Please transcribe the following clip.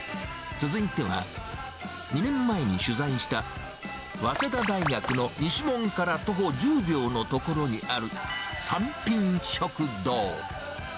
続いては、２年前に取材した、早稲田大学の西門から徒歩１０秒の所にある三品食堂。